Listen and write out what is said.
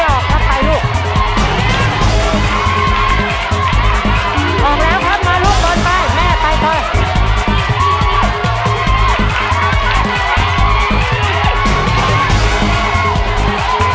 ออกแล้วครับมาลูกบนไปแม่ไปเถอะ